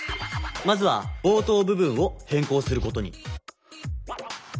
まずは冒頭部分をへんこうすることに。